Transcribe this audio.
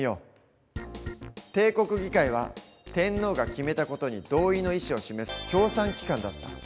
帝国議会は天皇が決めた事に同意の意思を示す協賛機関だった。